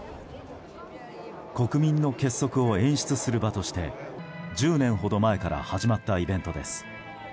国民の結束を演出する場として１０年ほど前から始まったイベントです。